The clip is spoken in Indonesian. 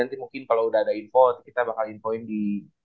nanti mungkin kalau udah ada info kita bakal infoin di